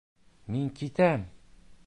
Мин... китәм!